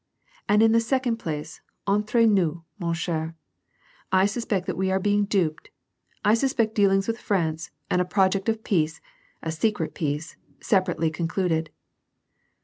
And in the second place, entre nous, mon cher, I suspect that we are being duped, I suspect dealings with France, and a project of peace, a secret peace, separately concliuled."